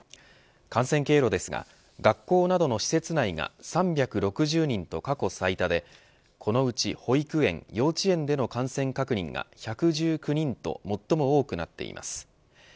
感染経路ですが学校などの施設内が３６０人と過去最多でこのうち保育園幼稚園での感染確認が１１９人と最も多くなっています。